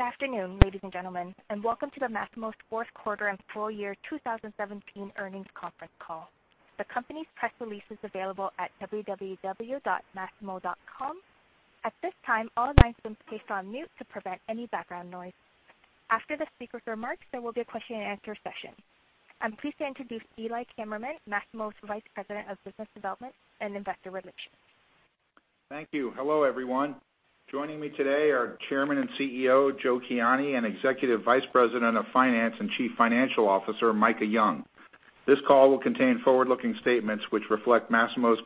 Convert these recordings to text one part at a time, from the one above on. Good afternoon, ladies and gentlemen, and welcome to Masimo's fourth quarter and full year 2017 earnings conference call. The company's press release is available at www.masimo.com. At this time, all lines have been placed on mute to prevent any background noise. After the speaker's remarks, there will be a question-and-answer session. I am pleased to introduce Eli Kammerman, Masimo's Vice President of Business Development and Investor Relations. Thank you. Hello, everyone. Joining me today are Chairman and CEO, Joe Kiani, and Executive Vice President of Finance and Chief Financial Officer, Micah Young. This call will contain forward-looking statements which reflect Masimo's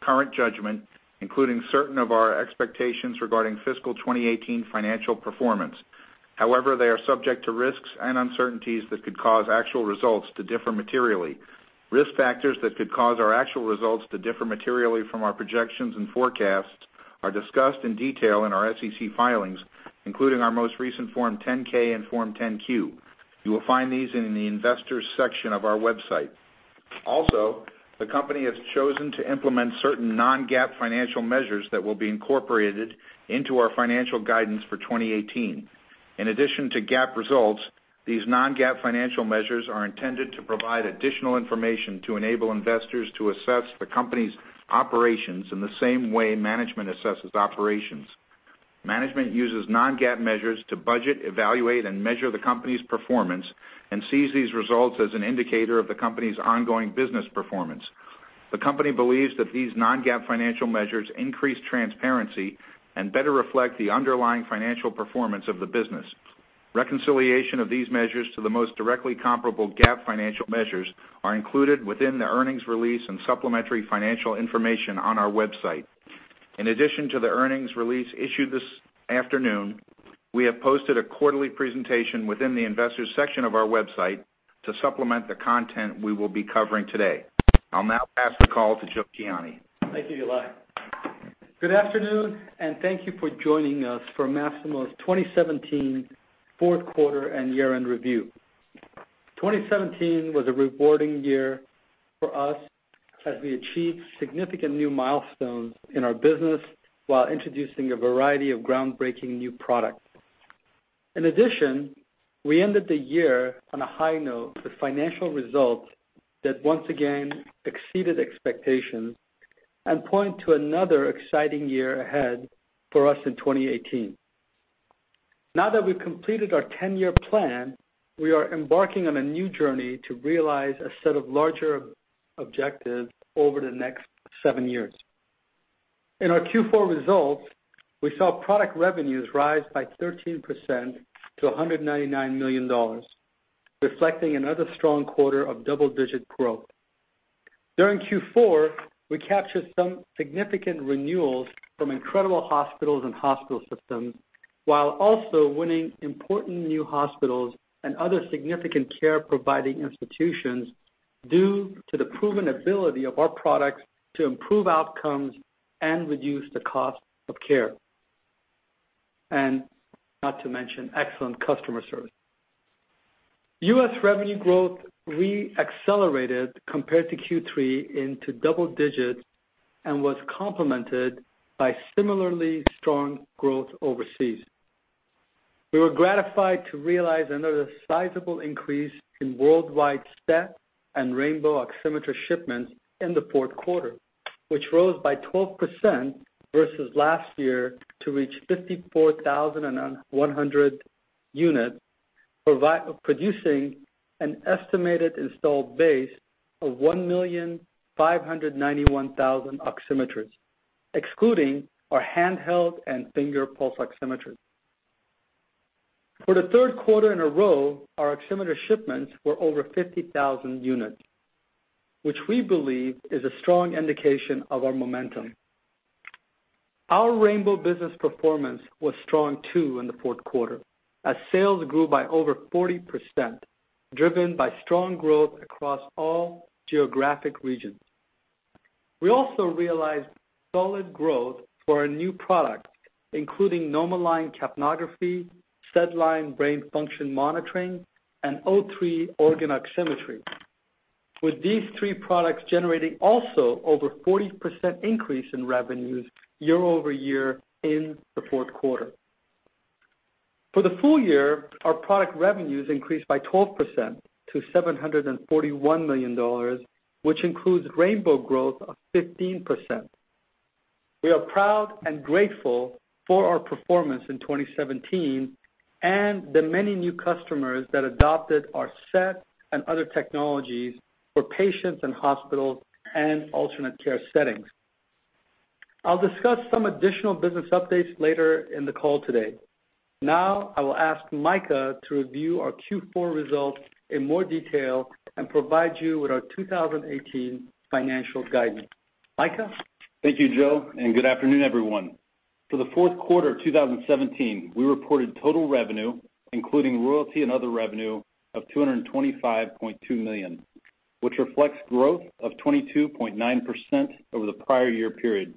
current judgment, including certain of our expectations regarding fiscal 2018 financial performance. However, they are subject to risks and uncertainties that could cause actual results to differ materially. Risk factors that could cause our actual results to differ materially from our projections and forecasts are discussed in detail in our SEC filings, including our most recent Form 10-K and Form 10-Q. You will find these in the Investors section of our website. Also, the company has chosen to implement certain non-GAAP financial measures that will be incorporated into our financial guidance for 2018. In addition to GAAP results, these non-GAAP financial measures are intended to provide additional information to enable investors to assess the company's operations in the same way management assesses operations. Management uses non-GAAP measures to budget, evaluate, and measure the company's performance and sees these results as an indicator of the company's ongoing business performance. The company believes that these non-GAAP financial measures increase transparency and better reflect the underlying financial performance of the business. Reconciliation of these measures to the most directly comparable GAAP financial measures are included within the earnings release and supplementary financial information on our website. In addition to the earnings release issued this afternoon, we have posted a quarterly presentation within the Investors section of our website to supplement the content we will be covering today. I will now pass the call to Joe Kiani. Thank you, Eli. Good afternoon, and thank you for joining us for Masimo's 2017 fourth quarter and year-end review. 2017 was a rewarding year for us as we achieved significant new milestones in our business while introducing a variety of groundbreaking new products. In addition, we ended the year on a high note with financial results that once again exceeded expectations and point to another exciting year ahead for us in 2018. Now that we have completed our 10-year plan, we are embarking on a new journey to realize a set of larger objectives over the next seven years. In our Q4 results, we saw product revenues rise by 13% to $199 million, reflecting another strong quarter of double-digit growth. During Q4, we captured some significant renewals from incredible hospitals and hospital systems, while also winning important new hospitals and other significant care-providing institutions due to the proven ability of our products to improve outcomes and reduce the cost of care. Not to mention, excellent customer service. U.S. revenue growth re-accelerated compared to Q3 into double digits and was complemented by similarly strong growth overseas. We were gratified to realize another sizable increase in worldwide SET and rainbow oximeter shipments in the fourth quarter, which rose by 12% versus last year to reach 54,100 units, producing an estimated installed base of 1,591,000 oximeters, excluding our handheld and finger pulse oximetry. For the third quarter in a row, our oximeter shipments were over 50,000 units, which we believe is a strong indication of our momentum. Our rainbow business performance was strong, too, in the fourth quarter, as sales grew by over 40%, driven by strong growth across all geographic regions. We also realized solid growth for our new product, including NomoLine capnography, SedLine brain function monitoring, and O3 organ oximetry, with these three products generating also over 40% increase in revenues year-over-year in the fourth quarter. For the full year, our product revenues increased by 12% to $741 million, which includes rainbow growth of 15%. We are proud and grateful for our performance in 2017 and the many new customers that adopted our SET and other technologies for patients in hospitals and alternate care settings. I'll discuss some additional business updates later in the call today. I will ask Micah to review our Q4 results in more detail and provide you with our 2018 financial guidance. Micah? Thank you, Joe, and good afternoon, everyone. For the fourth quarter of 2017, we reported total revenue, including royalty and other revenue of $225.2 million, which reflects growth of 22.9% over the prior year period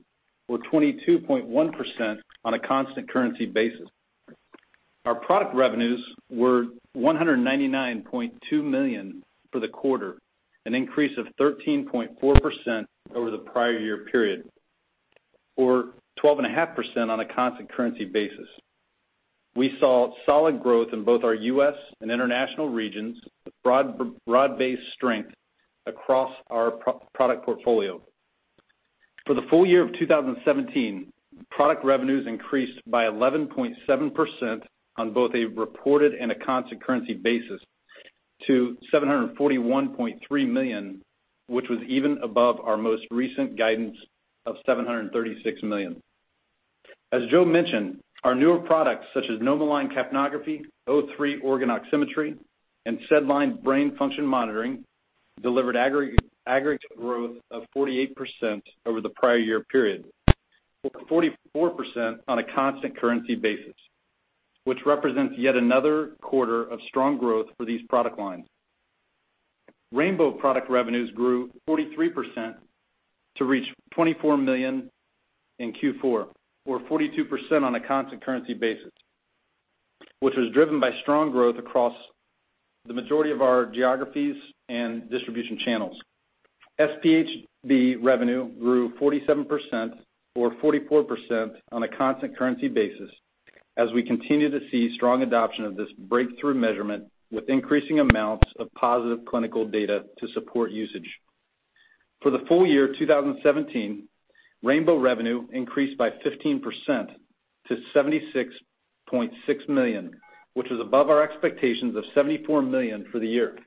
or 22.1% on a constant currency basis. Our product revenues were $199.2 million for the quarter, an increase of 13.4% over the prior year period. 12.5% on a constant currency basis. We saw solid growth in both our U.S. and international regions, with broad-based strength across our product portfolio. For the full year of 2017, product revenues increased by 11.7% on both a reported and a constant currency basis to $741.3 million, which was even above our most recent guidance of $736 million. As Joe mentioned, our newer products such as NomoLine capnography, O3 organ oximetry, and SedLine brain function monitoring delivered aggregate growth of 48% over the prior year period, or 44% on a constant currency basis, which represents yet another quarter of strong growth for these product lines. Rainbow product revenues grew 43% to reach $24 million in Q4, or 42% on a constant currency basis, which was driven by strong growth across the majority of our geographies and distribution channels. SpHb revenue grew 47%, or 44% on a constant currency basis, as we continue to see strong adoption of this breakthrough measurement with increasing amounts of positive clinical data to support usage. For the full year 2017, rainbow revenue increased by 15% to $76.6 million, which is above our expectations of $74 million for the year.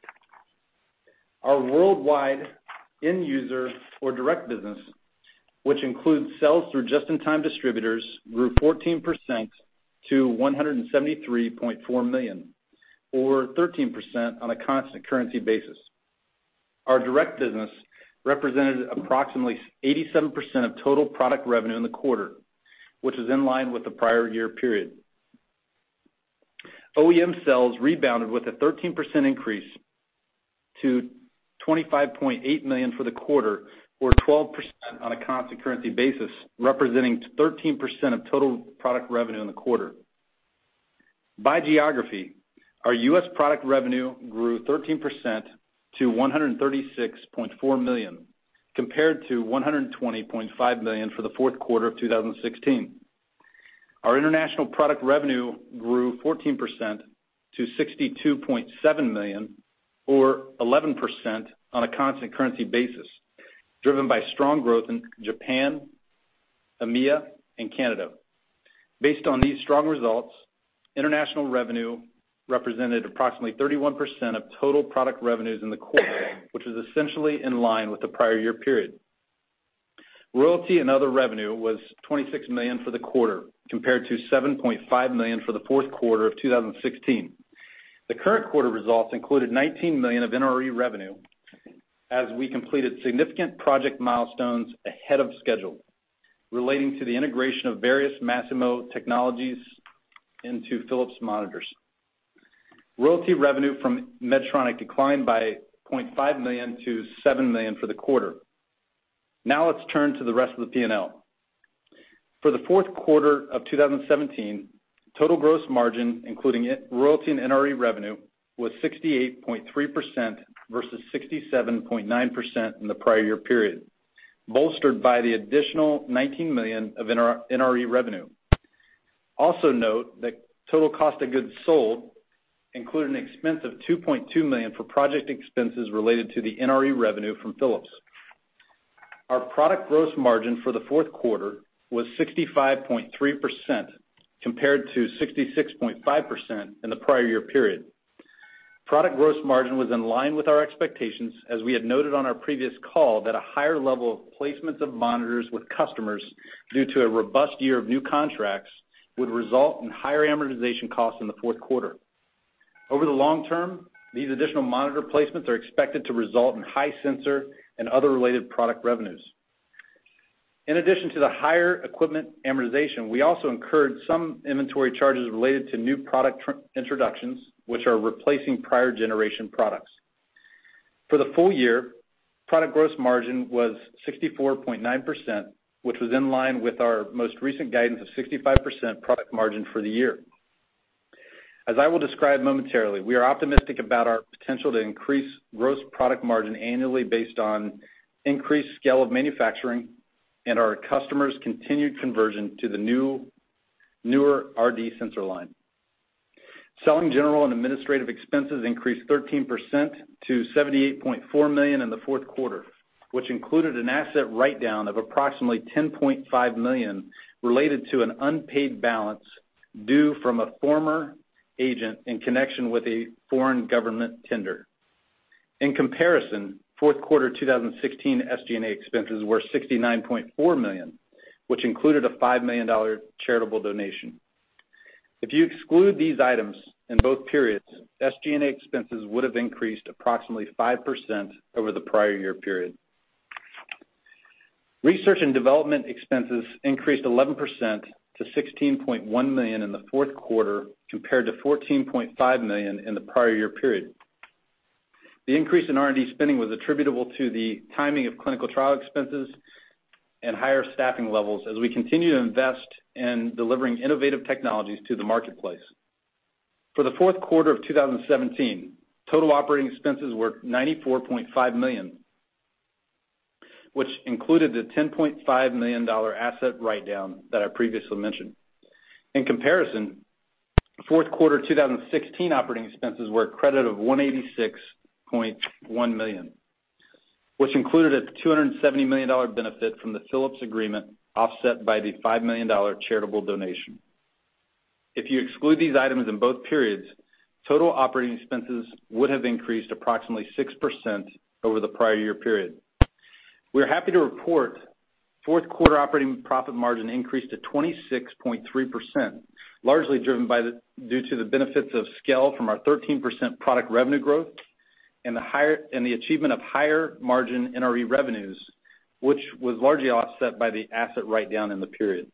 Our worldwide end user or direct business, which includes sales through just-in-time distributors, grew 14% to $173.4 million, or 13% on a constant currency basis. Our direct business represented approximately 87% of total product revenue in the quarter, which is in line with the prior year period. OEM sales rebounded with a 13% increase to $25.8 million for the quarter, or 12% on a constant currency basis, representing 13% of total product revenue in the quarter. By geography, our U.S. product revenue grew 13% to $136.4 million, compared to $120.5 million for the fourth quarter of 2016. Our international product revenue grew 14% to $62.7 million, or 11% on a constant currency basis, driven by strong growth in Japan, EMEA, and Canada. Based on these strong results, international revenue represented approximately 31% of total product revenues in the quarter, which is essentially in line with the prior year period. Royalty and other revenue was $26 million for the quarter, compared to $7.5 million for the fourth quarter of 2016. The current quarter results included $19 million of NRE revenue as we completed significant project milestones ahead of schedule, relating to the integration of various Masimo technologies into Philips monitors. Royalty revenue from Medtronic declined by $0.5 million to $7 million for the quarter. Let's turn to the rest of the P&L. For the fourth quarter of 2017, total gross margin, including royalty and NRE revenue, was 68.3% versus 67.9% in the prior year period, bolstered by the additional $19 million of NRE revenue. Note that total cost of goods sold include an expense of $2.2 million for project expenses related to the NRE revenue from Philips. Our product gross margin for the fourth quarter was 65.3%, compared to 66.5% in the prior year period. Product gross margin was in line with our expectations, as we had noted on our previous call that a higher level of placements of monitors with customers due to a robust year of new contracts would result in higher amortization costs in the fourth quarter. Over the long term, these additional monitor placements are expected to result in high sensor and other related product revenues. In addition to the higher equipment amortization, we also incurred some inventory charges related to new product introductions, which are replacing prior generation products. For the full year, product gross margin was 64.9%, which was in line with our most recent guidance of 65% product margin for the year. As I will describe momentarily, we are optimistic about our potential to increase gross product margin annually based on increased scale of manufacturing and our customers' continued conversion to the newer RD sensor line. Selling, general and administrative expenses increased 13% to $78.4 million in the fourth quarter, which included an asset write-down of approximately $10.5 million related to an unpaid balance due from a former agent in connection with a foreign government tender. In comparison, fourth quarter 2016 SG&A expenses were $69.4 million, which included a $5 million charitable donation. If you exclude these items in both periods, SG&A expenses would have increased approximately 5% over the prior year period. Research and development expenses increased 11% to $16.1 million in the fourth quarter, compared to $14.5 million in the prior year period. The increase in R&D spending was attributable to the timing of clinical trial expenses and higher staffing levels as we continue to invest in delivering innovative technologies to the marketplace. For the fourth quarter of 2017, total operating expenses were $94.5 million, which included the $10.5 million asset write-down that I previously mentioned. In comparison, fourth quarter 2016 operating expenses were a credit of $186.1 million, which included a $270 million benefit from the Philips agreement, offset by the $5 million charitable donation. If you exclude these items in both periods, total operating expenses would have increased approximately 6% over the prior year period. We're happy to report fourth quarter operating profit margin increased to 26.3%, largely driven due to the benefits of scale from our 13% product revenue growth and the achievement of higher margin NRE revenues, which was largely offset by the asset write-down in the period.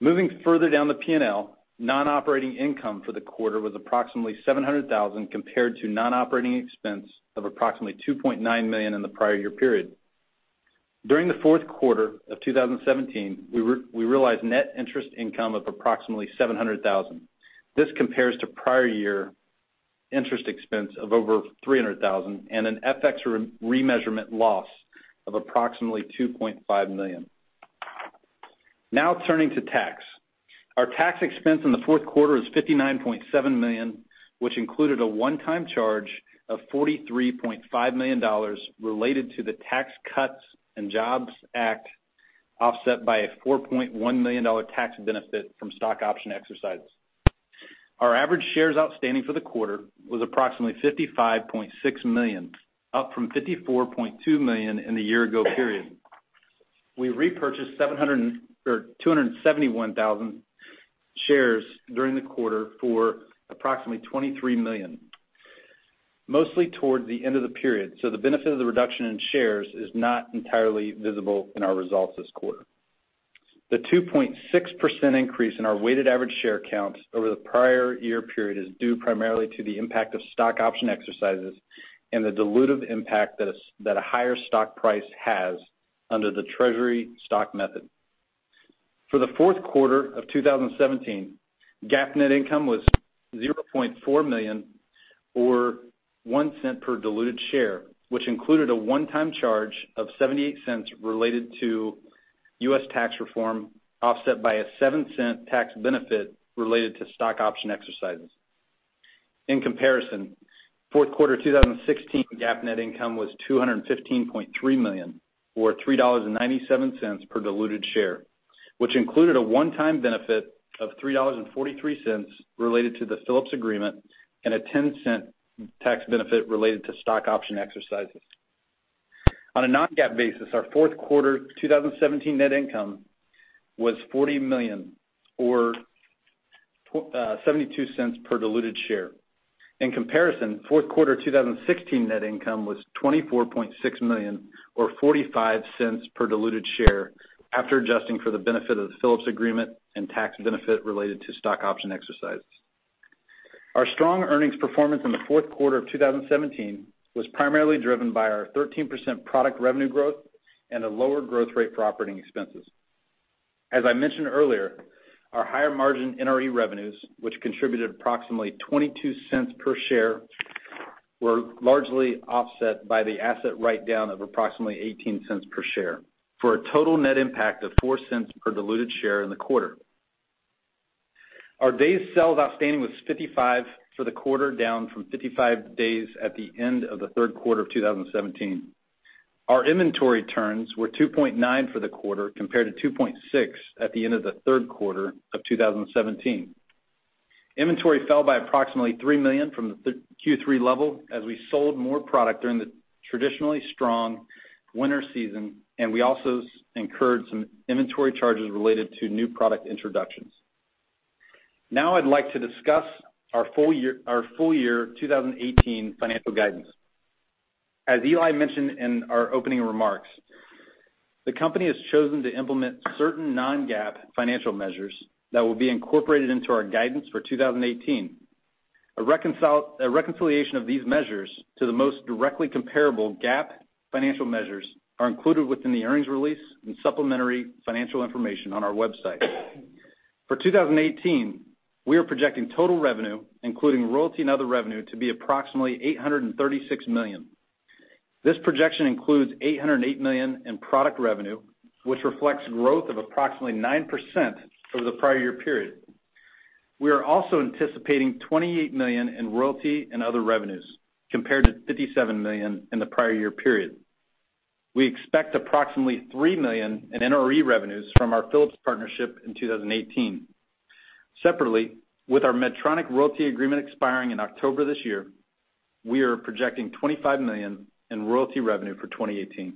Moving further down the P&L, non-operating income for the quarter was approximately $700,000, compared to non-operating expense of approximately $2.9 million in the prior year period. During the fourth quarter of 2017, we realized net interest income of approximately $700,000. This compares to prior year interest expense of over $300,000 and an FX remeasurement loss of approximately $2.5 million. Now turning to tax. Our tax expense in the fourth quarter is $59.7 million, which included a one-time charge of $43.5 million related to the Tax Cuts and Jobs Act, offset by a $4.1 million tax benefit from stock option exercises. Our average shares outstanding for the quarter was approximately $55.6 million, up from $54.2 million in the year ago period. We repurchased 271,000 shares during the quarter for approximately $23 million, mostly towards the end of the period, so the benefit of the reduction in shares is not entirely visible in our results this quarter. The 2.6% increase in our weighted average share count over the prior year period is due primarily to the impact of stock option exercises and the dilutive impact that a higher stock price has under the treasury stock method. For the fourth quarter of 2017, GAAP net income was $0.4 million or $0.01 per diluted share, which included a one-time charge of $0.78 related to U.S. tax reform, offset by a $0.07 tax benefit related to stock option exercises. In comparison, fourth quarter 2016 GAAP net income was $215.3 million, or $3.97 per diluted share, which included a one-time benefit of $3.43 related to the Philips agreement and a $0.10 tax benefit related to stock option exercises. On a non-GAAP basis, our fourth quarter 2017 net income was $40 million, or $0.72 per diluted share. In comparison, fourth quarter 2016 net income was $24.6 million or $0.45 per diluted share, after adjusting for the benefit of the Philips agreement and tax benefit related to stock option exercises. Our strong earnings performance in the fourth quarter of 2017 was primarily driven by our 13% product revenue growth and a lower growth rate for operating expenses. As I mentioned earlier, our higher margin NRE revenues, which contributed approximately $0.22 per share, were largely offset by the asset write-down of approximately $0.18 per share for a total net impact of $0.04 per diluted share in the quarter. Our days sales outstanding was 55 for the quarter, down from 55 days at the end of the third quarter of 2017. Our inventory turns were 2.9 for the quarter, compared to 2.6 at the end of the third quarter of 2017. Inventory fell by approximately $3 million from the Q3 level as we sold more product during the traditionally strong winter season, and we also incurred some inventory charges related to new product introductions. I'd like to discuss our full year 2018 financial guidance. As Eli mentioned in our opening remarks, the company has chosen to implement certain non-GAAP financial measures that will be incorporated into our guidance for 2018. A reconciliation of these measures to the most directly comparable GAAP financial measures are included within the earnings release and supplementary financial information on our website. For 2018, we are projecting total revenue, including royalty and other revenue, to be approximately $836 million. This projection includes $808 million in product revenue, which reflects growth of approximately 9% over the prior year period. We are also anticipating $28 million in royalty and other revenues, compared to $57 million in the prior year period. We expect approximately $3 million in NRE revenues from our Philips partnership in 2018. Separately, with our Medtronic royalty agreement expiring in October this year, we are projecting $25 million in royalty revenue for 2018.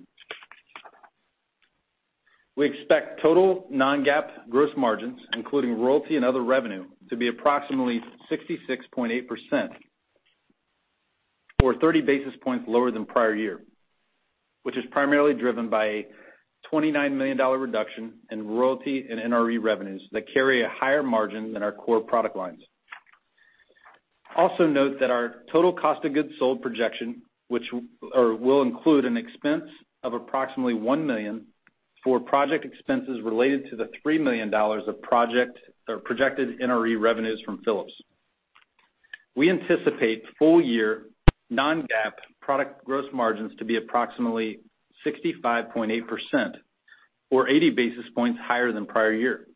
We expect total non-GAAP gross margins, including royalty and other revenue, to be approximately 66.8%, or 30 basis points lower than prior year, which is primarily driven by a $29 million reduction in royalty and NRE revenues that carry a higher margin than our core product lines. Note that our total cost of goods sold projection, which will include an expense of approximately $1 million for project expenses related to the $3 million of projected NRE revenues from Philips. We anticipate full year non-GAAP product gross margins to be approximately 65.8%, or 80 basis points higher than prior year.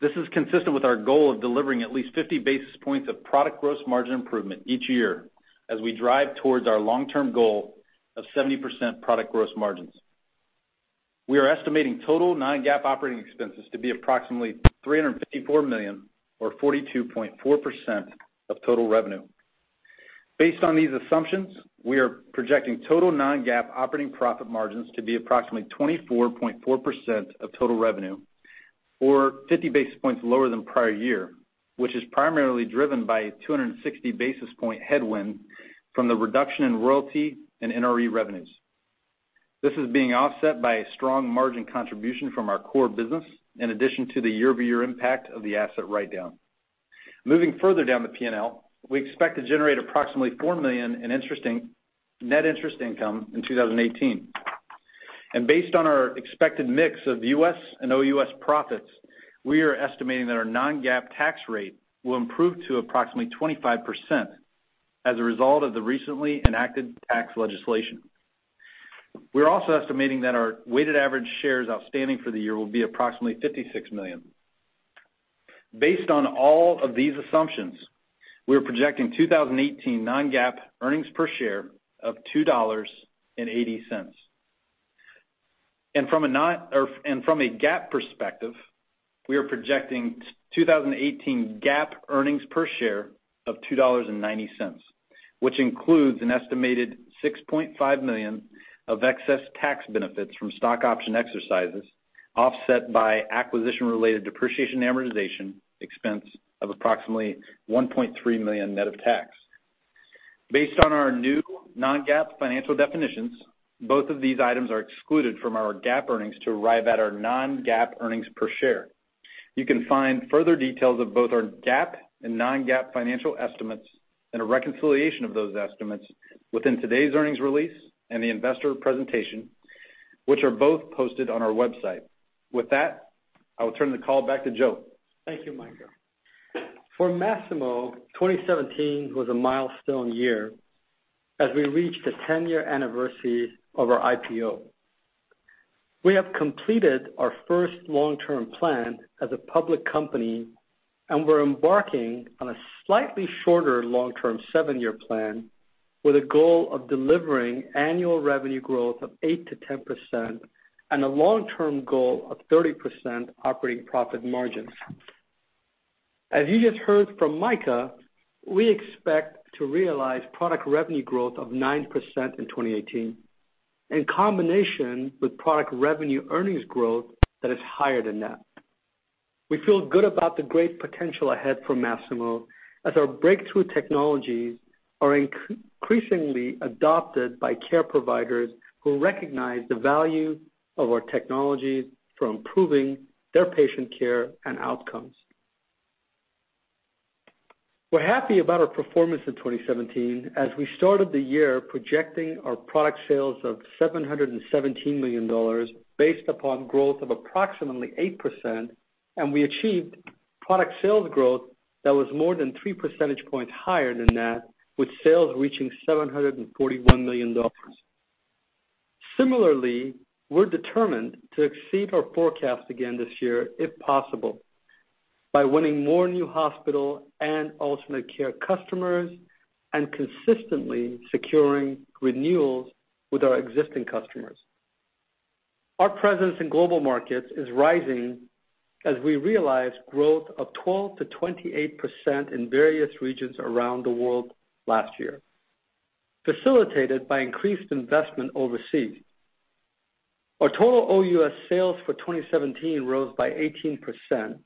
This is consistent with our goal of delivering at least 50 basis points of product gross margin improvement each year as we drive towards our long-term goal of 70% product gross margins. We are estimating total non-GAAP operating expenses to be approximately $354 million or 42.4% of total revenue. Based on these assumptions, we are projecting total non-GAAP operating profit margins to be approximately 24.4% of total revenue, or 50 basis points lower than prior year, which is primarily driven by 260 basis point headwind from the reduction in royalty and NRE revenues. This is being offset by a strong margin contribution from our core business, in addition to the year-over-year impact of the asset write-down. Moving further down the P&L, we expect to generate approximately $4 million in net interest income in 2018. Based on our expected mix of U.S. and OUS profits, we are estimating that our non-GAAP tax rate will improve to approximately 25% as a result of the recently enacted tax legislation. We're also estimating that our weighted average shares outstanding for the year will be approximately 56 million. Based on all of these assumptions, we are projecting 2018 non-GAAP earnings per share of $2.80. From a GAAP perspective, we are projecting 2018 GAAP earnings per share of $2.90, which includes an estimated $6.5 million of excess tax benefits from stock option exercises, offset by acquisition-related depreciation amortization expense of approximately $1.3 million net of tax. Based on our new non-GAAP financial definitions, both of these items are excluded from our GAAP earnings to arrive at our non-GAAP earnings per share. You can find further details of both our GAAP and non-GAAP financial estimates and a reconciliation of those estimates within today's earnings release and the investor presentation, which are both posted on our website. With that, I will turn the call back to Joe. Thank you, Micah. For Masimo, 2017 was a milestone year as we reached the 10-year anniversary of our IPO. We have completed our first long-term plan as a public company. We're embarking on a slightly shorter long-term seven-year plan with a goal of delivering annual revenue growth of 8%-10% and a long-term goal of 30% operating profit margins. As you just heard from Micah, we expect to realize product revenue growth of 9% in 2018, in combination with product revenue earnings growth that is higher than that. We feel good about the great potential ahead for Masimo as our breakthrough technologies are increasingly adopted by care providers who recognize the value of our technologies for improving their patient care and outcomes. We're happy about our performance in 2017 as we started the year projecting our product sales of $717 million based upon growth of approximately 8%. We achieved product sales growth that was more than three percentage points higher than that, with sales reaching $741 million. Similarly, we're determined to exceed our forecast again this year, if possible, by winning more new hospital and alternate care customers and consistently securing renewals with our existing customers. Our presence in global markets is rising as we realize growth of 12%-28% in various regions around the world last year, facilitated by increased investment overseas. Our total OUS sales for 2017 rose by 18%,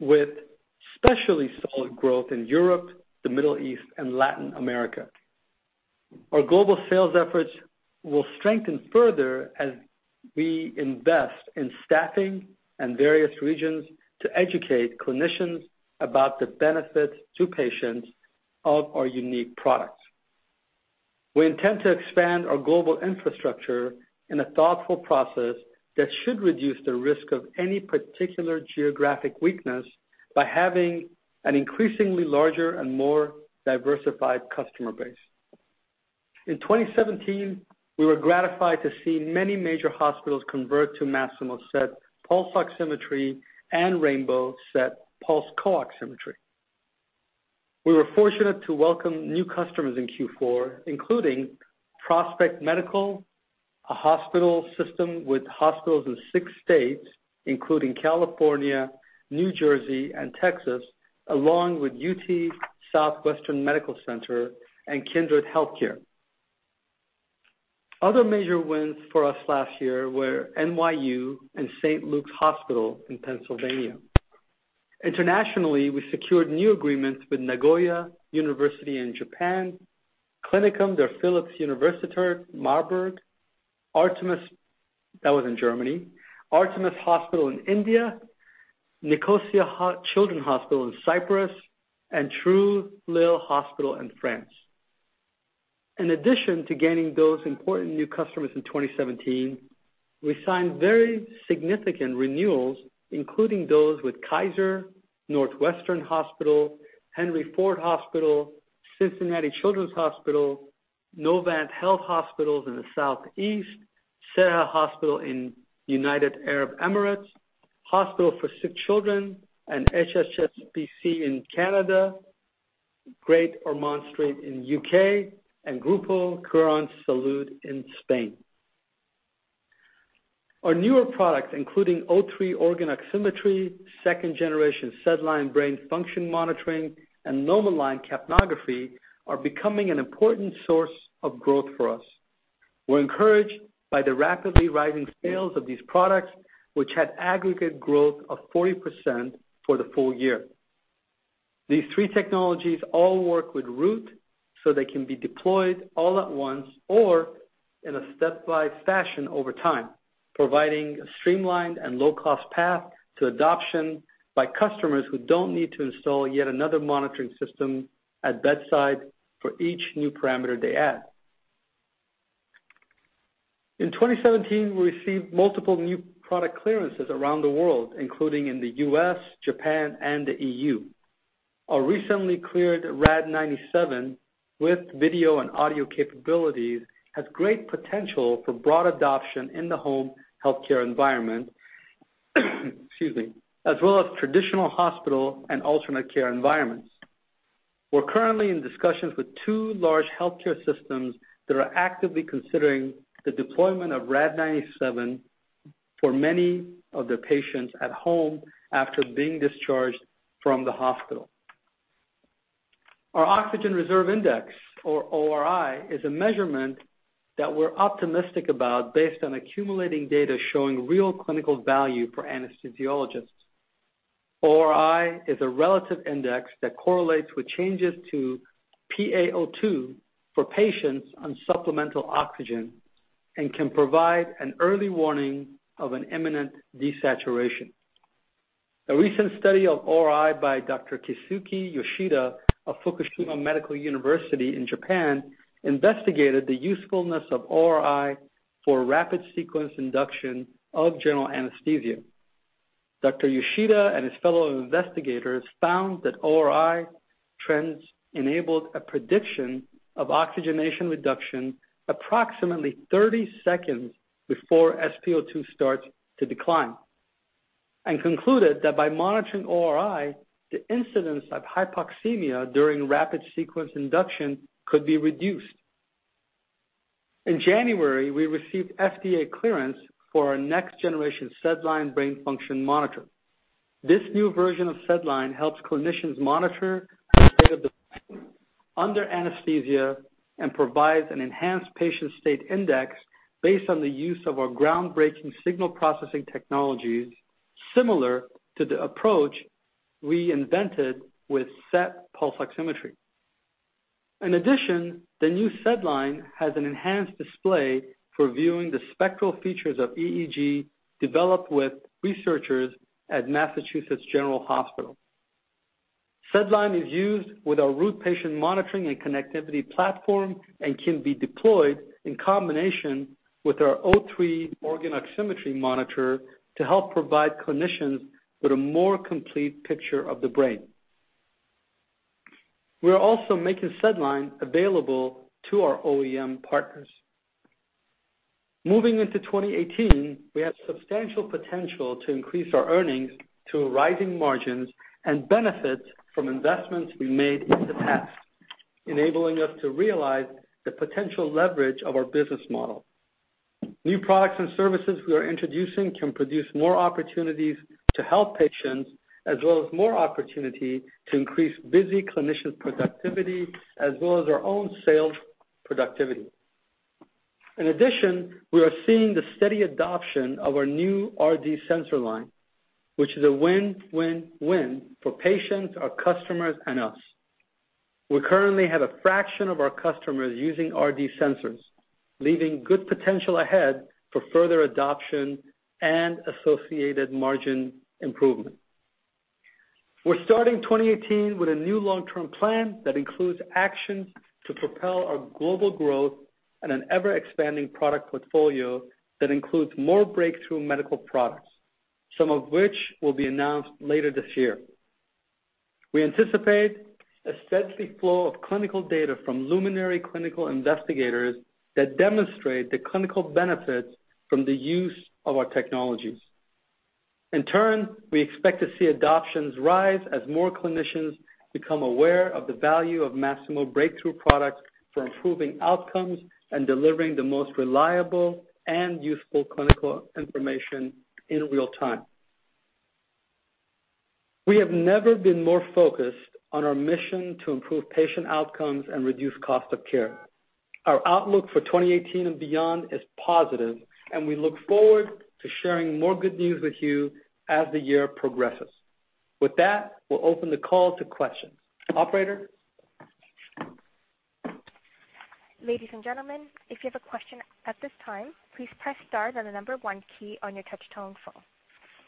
with especially solid growth in Europe, the Middle East, and Latin America. Our global sales efforts will strengthen further as we invest in staffing in various regions to educate clinicians about the benefits to patients of our unique products. We intend to expand our global infrastructure in a thoughtful process that should reduce the risk of any particular geographic weakness by having an increasingly larger and more diversified customer base. In 2017, we were gratified to see many major hospitals convert to Masimo SET pulse oximetry and rainbow SET Pulse CO-Oximetry. We were fortunate to welcome new customers in Q4, including Prospect Medical, a hospital system with hospitals in six states, including California, New Jersey, and Texas, along with UT Southwestern Medical Center and Kindred Healthcare. Other major wins for us last year were NYU and St. Luke's Hospital in Pennsylvania. Internationally, we secured new agreements with Nagoya University in Japan, Klinikum der Philipps-Universität Marburg, that was in Germany, Artemis Hospitals in India, Nicosia Children Hospital in Cyprus, and Trousseau Hospital in France. In addition to gaining those important new customers in 2017, we signed very significant renewals, including those with Kaiser, Northwestern Hospital, Henry Ford Hospital, Cincinnati Children's Hospital, Novant Health hospitals in the Southeast, SEHA Hospital in United Arab Emirates, Hospital for Sick Children, and HSSPC in Canada, Great Ormond Street in U.K., and Grupo Quirónsalud in Spain. Our newer products, including O3 organ oximetry, second-generation SedLine brain function monitoring, and NomoLine capnography, are becoming an important source of growth for us. We're encouraged by the rapidly rising sales of these products, which had aggregate growth of 40% for the full year. These three technologies all work with Root so they can be deployed all at once or in a step-by fashion over time, providing a streamlined and low-cost path to adoption by customers who don't need to install yet another monitoring system at bedside for each new parameter they add. In 2017, we received multiple new product clearances around the world, including in the U.S., Japan, and the EU. Our recently cleared RAD-97 with video and audio capabilities has great potential for broad adoption in the home healthcare environment, excuse me, as well as traditional hospital and alternate care environments. We are currently in discussions with two large healthcare systems that are actively considering the deployment of RAD-97 for many of their patients at home after being discharged from the hospital. Our Oxygen Reserve Index, or ORi, is a measurement that we're optimistic about based on accumulating data showing real clinical value for anesthesiologists. ORi is a relative index that correlates with changes to PaO2 for patients on supplemental oxygen and can provide an early warning of an imminent desaturation. A recent study of ORi by Dr. Keisuke Yoshida of Fukushima Medical University in Japan investigated the usefulness of ORi for rapid sequence induction of general anesthesia. Dr. Yoshida and his fellow investigators found that ORi trends enabled a prediction of oxygenation reduction approximately 30 seconds before SpO2 starts to decline and concluded that by monitoring ORi, the incidence of hypoxemia during rapid sequence induction could be reduced. In January, we received FDA clearance for our next-generation SedLine brain function monitor. This new version of SedLine helps clinicians monitor the state of the brain under anesthesia and provides an enhanced Patient State Index based on the use of our groundbreaking signal processing technologies, similar to the approach we invented with SET pulse oximetry. In addition, the new SedLine has an enhanced display for viewing the spectral features of EEG developed with researchers at Massachusetts General Hospital. SedLine is used with our Root patient monitoring and connectivity platform and can be deployed in combination with our O3 organ oximetry monitor to help provide clinicians with a more complete picture of the brain. We are also making SedLine available to our OEM partners. Moving into 2018, we have substantial potential to increase our earnings through rising margins and benefits from investments we made in the past, enabling us to realize the potential leverage of our business model. New products and services we are introducing can produce more opportunities to help patients, as well as more opportunity to increase busy clinicians' productivity, as well as our own sales productivity. In addition, we are seeing the steady adoption of our new RD sensor line, which is a win-win-win for patients, our customers, and us. We currently have a fraction of our customers using RD sensors, leaving good potential ahead for further adoption and associated margin improvement. We are starting 2018 with a new long-term plan that includes actions to propel our global growth and an ever-expanding product portfolio that includes more breakthrough medical products, some of which will be announced later this year. We anticipate a steady flow of clinical data from luminary clinical investigators that demonstrate the clinical benefits from the use of our technologies. We expect to see adoptions rise as more clinicians become aware of the value of Masimo breakthrough products for improving outcomes and delivering the most reliable and useful clinical information in real-time. We have never been more focused on our mission to improve patient outcomes and reduce cost of care. Our outlook for 2018 and beyond is positive, and we look forward to sharing more good news with you as the year progresses. With that, we will open the call to questions. Operator? Ladies and gentlemen, if you have a question at this time, please press star then the number 1 key on your touch-tone phone.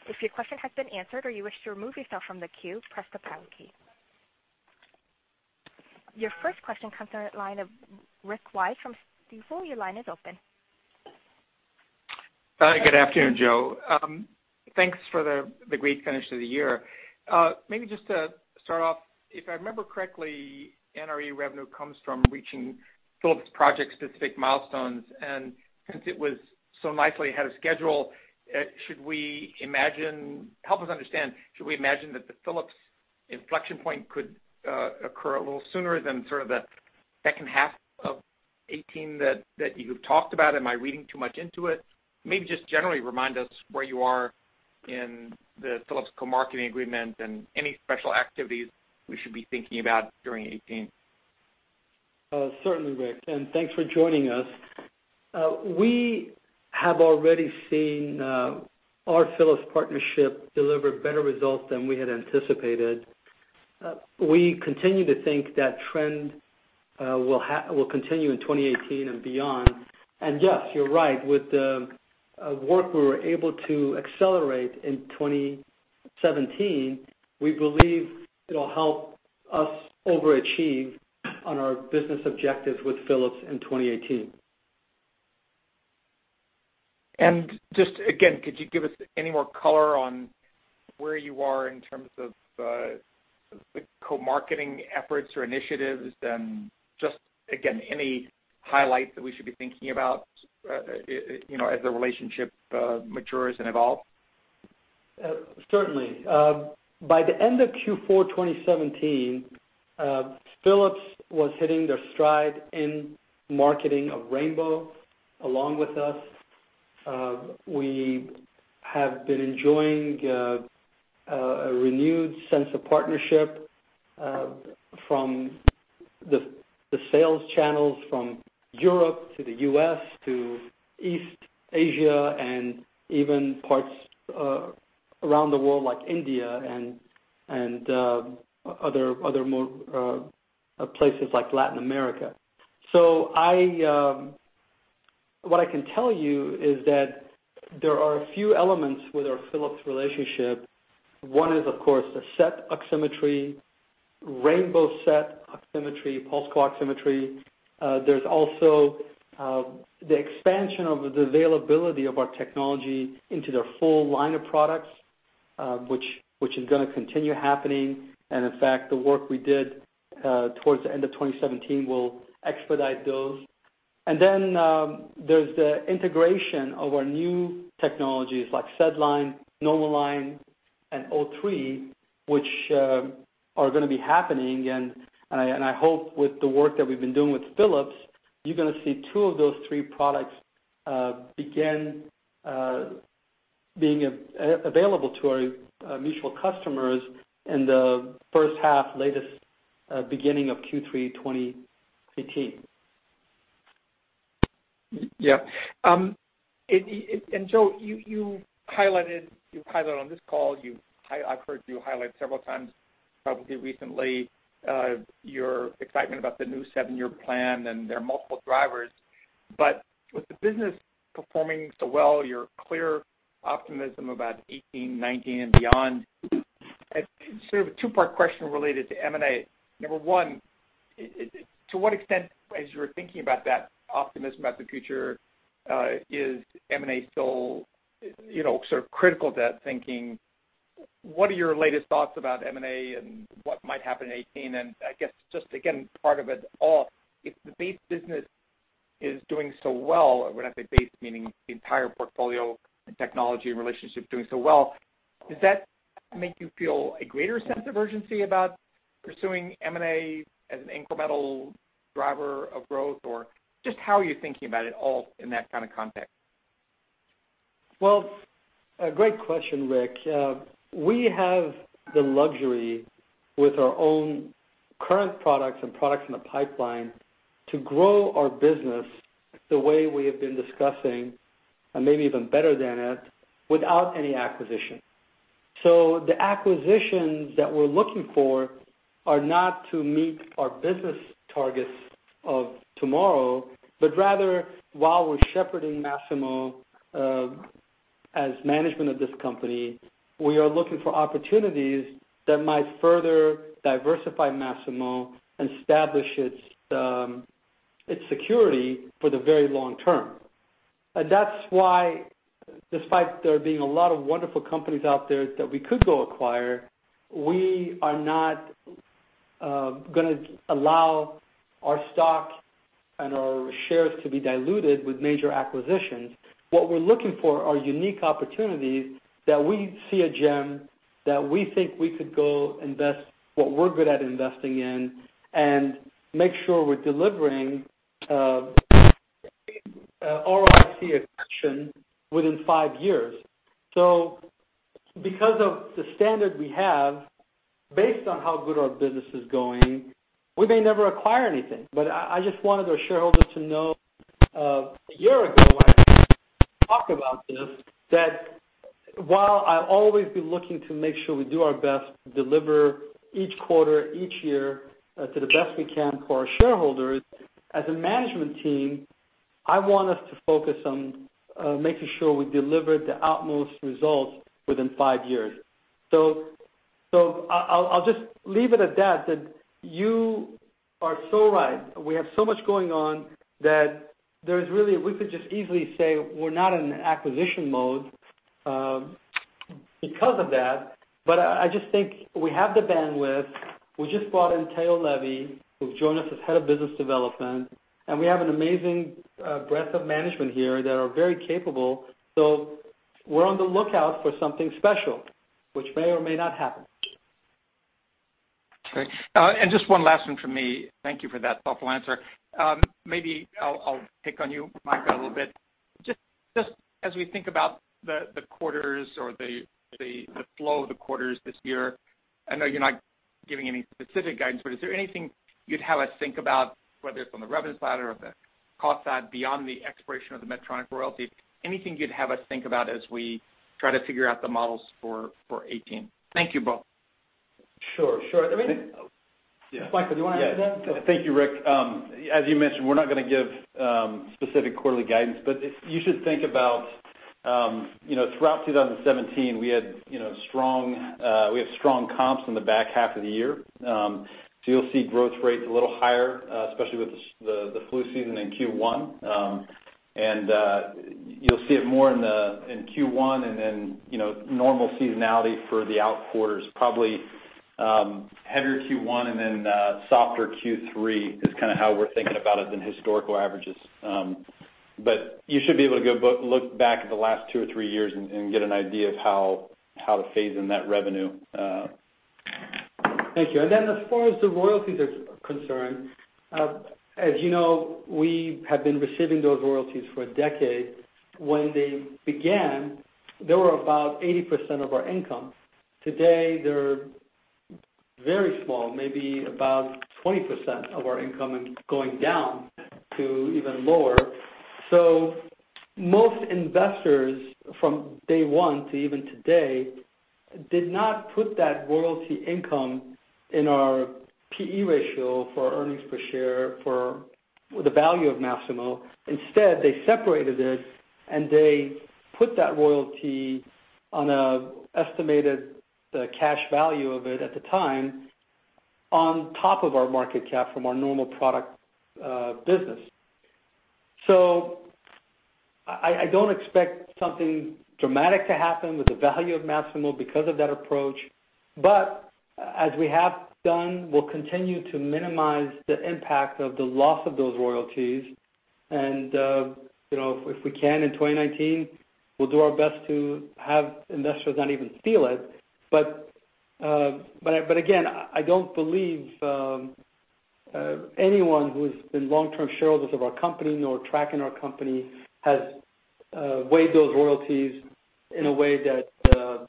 If your question has been answered or you wish to remove yourself from the queue, press the pound key. Your first question comes in on the line of Rick Wise from Stifel. Your line is open. Good afternoon, Joe. Thanks for the great finish to the year. Maybe just to start off, if I remember correctly, NRE revenue comes from reaching Philips project-specific milestones, and since it was so nicely ahead of schedule, help us understand, should we imagine that the Philips inflection point could occur a little sooner than the second half of 2018 that you have talked about? Am I reading too much into it? Maybe just generally remind us where you are in the Philips co-marketing agreement and any special activities we should be thinking about during 2018. Certainly, Rick. Thanks for joining us. We have already seen our Philips partnership deliver better results than we had anticipated. We continue to think that trend will continue in 2018 and beyond. Yes, you're right, with the work we were able to accelerate in 2017, we believe it'll help us overachieve on our business objectives with Philips in 2018. Just again, could you give us any more color on where you are in terms of the co-marketing efforts or initiatives and just, again, any highlights that we should be thinking about as the relationship matures and evolves? Certainly. By the end of Q4 2017, Philips was hitting their stride in marketing of rainbow along with us. We have been enjoying a renewed sense of partnership from the sales channels from Europe to the U.S. to East Asia and even parts around the world like India and other places like Latin America. What I can tell you is that there are a few elements with our Philips relationship. One is, of course, the SET oximetry, rainbow SET Pulse CO-Oximetry, Pulse CO-Oximetry. There's also the expansion of the availability of our technology into their full line of products, which is going to continue happening. In fact, the work we did towards the end of 2017 will expedite those. Then there's the integration of our new technologies like SedLine, NomoLine, and O3, which are going to be happening. I hope with the work that we've been doing with Philips, you're going to see two of those three products begin being available to our mutual customers in the first half, latest beginning of Q3 2018. Yeah. Joe, you highlighted on this call, I've heard you highlight several times probably recently, your excitement about the new 7-year plan, and there are multiple drivers. With the business performing so well, your clear optimism about 2018, 2019, and beyond, sort of a 2-part question related to M&A. Number 1, to what extent, as you were thinking about that optimism about the future, is M&A still sort of critical to that thinking? What are your latest thoughts about M&A and what might happen in 2018? I guess just again, part of it all, if the base business is doing so well, when I say base, meaning the entire portfolio and technology and relationship doing so well, does that make you feel a greater sense of urgency about pursuing M&A as an incremental driver of growth? Just how are you thinking about it all in that kind of context? Well, great question, Rick Wise. We have the luxury with our own current products and products in the pipeline to grow our business the way we have been discussing, and maybe even better than it, without any acquisition. The acquisitions that we're looking for are not to meet our business targets of tomorrow, but rather, while we're shepherding Masimo as management of this company, we are looking for opportunities that might further diversify Masimo and establish its security for the very long term. That's why, despite there being a lot of wonderful companies out there that we could go acquire, we are not going to allow our stock and our shares to be diluted with major acquisitions. What we're looking for are unique opportunities that we see a gem that we think we could go invest what we're good at investing in and make sure we're delivering ROIC expansion within 5 years. Because of the standard we have, based on how good our business is going, we may never acquire anything. I just wanted our shareholders to know, a year ago, I talked about this, that while I'll always be looking to make sure we do our best to deliver each quarter, each year, to the best we can for our shareholders, as a management team, I want us to focus on making sure we deliver the utmost results within 5 years. I'll just leave it at that you are so right. We have so much going on that we could just easily say we're not in acquisition mode because of that. I just think we have the bandwidth. We just brought in Tao Levy, who's joined us as head of business development, and we have an amazing breadth of management here that are very capable. We're on the lookout for something special, which may or may not happen. Great. Just one last one from me. Thank you for that thoughtful answer. Maybe I'll pick on you, Micah, a little bit. Just as we think about the quarters or the flow of the quarters this year, I know you're not giving any specific guidance, but is there anything you'd have us think about, whether it's on the revenue side or the cost side, beyond the expiration of the Medtronic royalty, anything you'd have us think about as we try to figure out the models for 2018? Thank you both. Sure. Micah, do you want to answer that? Thank you, Rick. As you mentioned, we're not going to give specific quarterly guidance, but you should think about throughout 2017, we have strong comps in the back half of the year. You'll see growth rates a little higher, especially with the flu season in Q1. You'll see it more in Q1 and then normal seasonality for the out quarters, probably heavier Q1 and then softer Q3 is kind of how we're thinking about it than historical averages. You should be able to go look back at the last two or three years and get an idea of how to phase in that revenue. Thank you. As far as the royalties are concerned, as you know, we have been receiving those royalties for a decade. When they began, they were about 80% of our income. Today, they're very small, maybe about 20% of our income and going down to even lower. Most investors from day one to even today did not put that royalty income in our P/E ratio for earnings per share for the value of Masimo. Instead, they separated it, and they put that royalty on an estimated cash value of it at the time on top of our market cap from our normal product business. I don't expect something dramatic to happen with the value of Masimo because of that approach. As we have done, we'll continue to minimize the impact of the loss of those royalties. If we can in 2019, we'll do our best to have investors not even feel it. Again, I don't believe anyone who has been long-term shareholders of our company nor tracking our company has weighed those royalties in a way that's going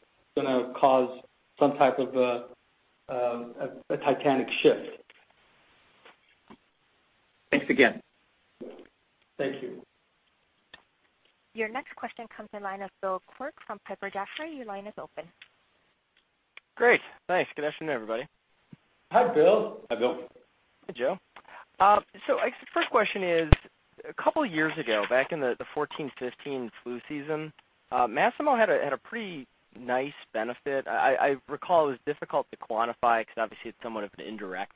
to cause some type of a titanic shift. Thanks again. Thank you. Your next question comes in line of Bill Quirk from Piper Jaffray. Your line is open. Great. Thanks. Good afternoon, everybody. Hi, Bill. Hi, Bill. I guess the first question is, a couple of years ago, back in the 2014, 2015 flu season, Masimo had a pretty nice benefit. I recall it was difficult to quantify because obviously it's somewhat of an indirect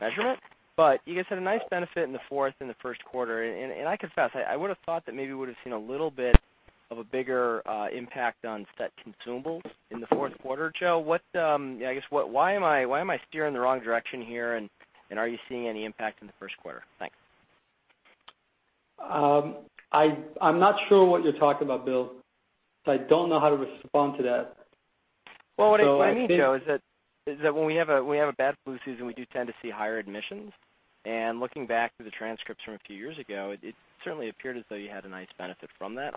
measurement, but you guys had a nice benefit in the fourth and the first quarter. I confess, I would've thought that maybe we would've seen a little bit of a bigger impact on SET consumables in the fourth quarter. Joe, I guess, why am I steering the wrong direction here, and are you seeing any impact in the first quarter? Thanks. I'm not sure what you're talking about, Bill. I don't know how to respond to that. Well, what I mean, Joe, is that when we have a bad flu season, we do tend to see higher admissions. Looking back through the transcripts from a few years ago, it certainly appeared as though you had a nice benefit from that,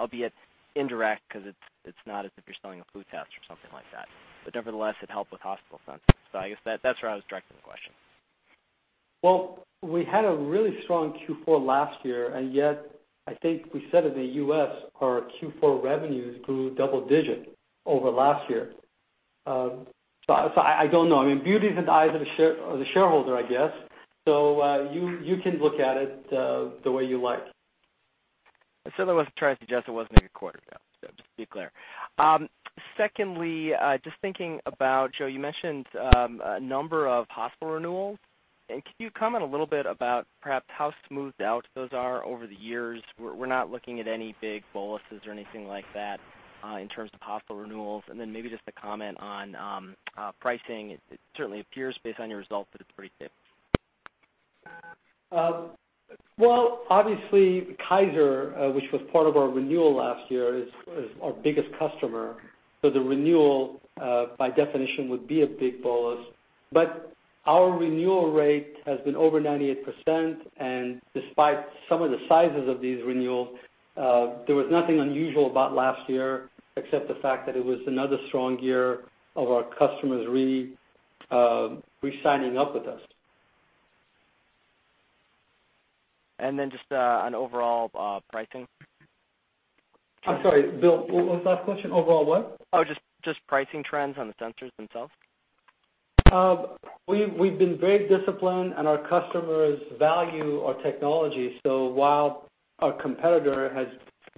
albeit indirect because it's not as if you're selling a flu test or something like that. Nevertheless, it helped with hospital funding. I guess that's where I was directing the question. Well, we had a really strong Q4 last year, and yet I think we said in the U.S. our Q4 revenues grew double digit over last year. I don't know. I mean beauty is in the eyes of the shareholder, I guess. You can look at it the way you like. I certainly wasn't trying to suggest it wasn't a good quarter, though, just to be clear. Secondly, just thinking about, Joe, you mentioned a number of hospital renewals. Can you comment a little bit about perhaps how smoothed out those are over the years? We're not looking at any big boluses or anything like that in terms of hospital renewals. Maybe just a comment on pricing. It certainly appears based on your results that it's pretty good. Well, obviously, Kaiser, which was part of our renewal last year, is our biggest customer. The renewal, by definition, would be a big bolus. Our renewal rate has been over 98%. Despite some of the sizes of these renewals, there was nothing unusual about last year except the fact that it was another strong year of our customers re-signing up with us. Just on overall pricing. I'm sorry, Bill, what was the last question? Overall what? Oh, just pricing trends on the sensors themselves. We've been very disciplined, and our customers value our technology. While our competitor has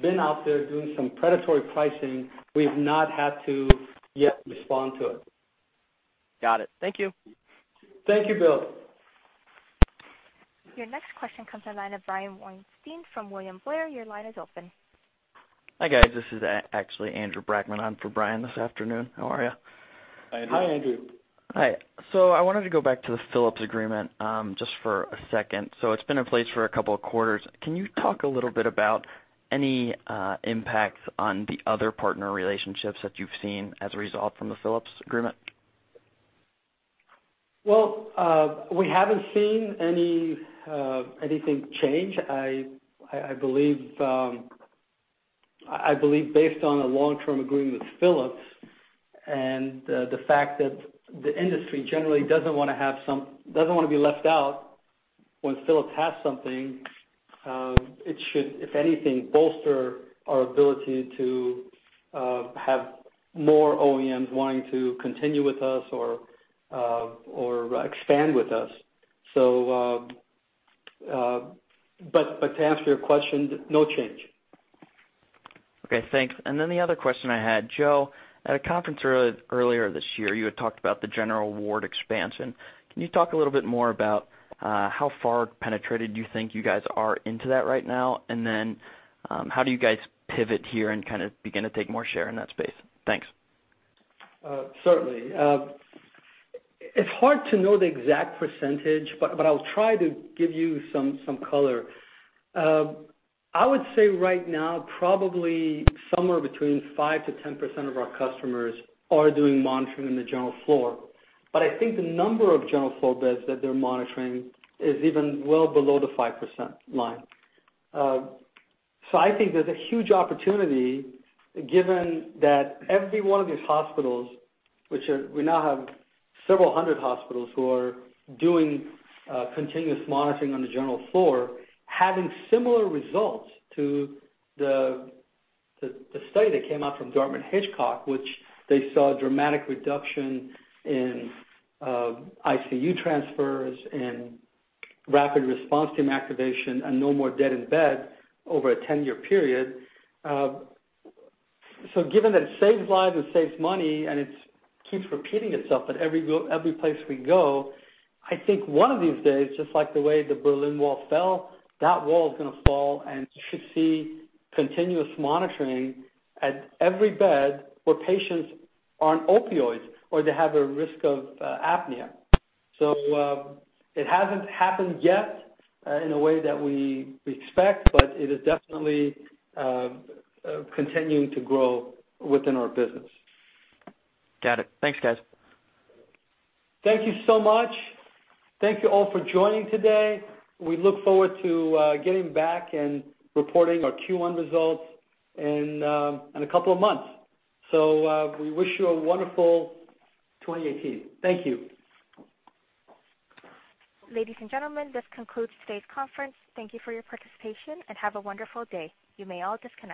been out there doing some predatory pricing, we've not had to yet respond to it. Got it. Thank you. Thank you, Bill. Your next question comes in line of Brian Weinstein from William Blair. Your line is open. Hi, guys. This is actually Andrew Brackmann on for Brian this afternoon. How are you? Hi, Andrew. Hi. I wanted to go back to the Philips agreement just for a second. It's been in place for a couple of quarters. Can you talk a little bit about any impacts on the other partner relationships that you've seen as a result from the Philips agreement? Well, we haven't seen anything change. I believe based on a long-term agreement with Philips and the fact that the industry generally doesn't want to be left out when Philips has something, it should, if anything, bolster our ability to have more OEMs wanting to continue with us or expand with us. To answer your question, no change. Okay, thanks. The other question I had, Joe, at a conference earlier this year, you had talked about the general ward expansion. Can you talk a little bit more about how far penetrated you think you guys are into that right now, how do you guys pivot here and kind of begin to take more share in that space? Thanks. Certainly. It's hard to know the exact percentage, I'll try to give you some color. I would say right now, probably somewhere between 5%-10% of our customers are doing monitoring in the general floor. I think the number of general floor beds that they're monitoring is even well below the 5% line. I think there's a huge opportunity given that every one of these hospitals, which we now have several hundred hospitals who are doing continuous monitoring on the general floor, having similar results to the study that came out from Dartmouth-Hitchcock, which they saw a dramatic reduction in ICU transfers and rapid response team activation and no more dead in bed over a 10-year period. Given that it saves lives and saves money it keeps repeating itself at every place we go, I think one of these days, just like the way the Berlin Wall fell, that wall is going to fall, you should see continuous monitoring at every bed where patients are on opioids or they have a risk of apnea. It hasn't happened yet in a way that we expect, it is definitely continuing to grow within our business. Got it. Thanks, guys. Thank you so much. Thank you all for joining today. We look forward to getting back and reporting our Q1 results in a couple of months. We wish you a wonderful 2018. Thank you. Ladies and gentlemen, this concludes today's conference. Thank you for your participation, and have a wonderful day. You may all disconnect.